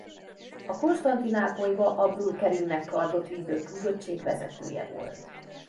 A Konstantinápolyba Abdul-Kerimnek kardot vivő küldöttség vezetője volt.